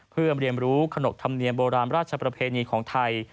เพื่อเรียนรู้ขนกธรรมเนียมโบราณราชประเพณีของไทย